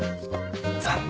残念。